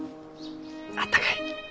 あったかい。